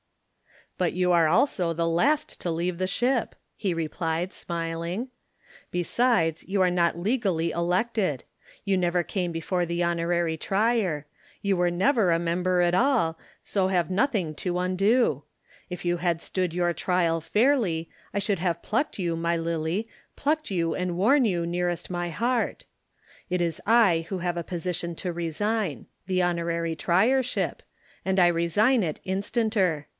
"But you are also the last to leave the ship," he replied, smiling. "Besides, you are not legally elected. You never came before the Honorary Trier. You were never a member at all, so have nothing to undo. If you had stood your trial fairly, I should have plucked you, my Lillie, plucked you and worn you nearest my heart. It is I who have a position to resign the Honorary Triership and I resign it instanter.